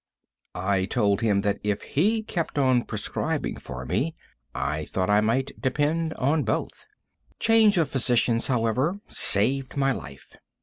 I told him that if he kept on prescribing for me, I thought I might depend on both. Change of physicians, however, saved my life.